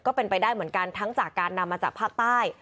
ก็เป็นไปได้เหมือนกันทั้งจากการนำมาจากภาคใต้